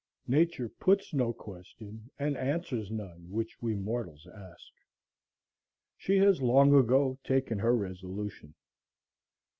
Nature puts no question and answers none which we mortals ask. She has long ago taken her resolution.